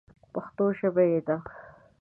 پښتو ژبه یې ده.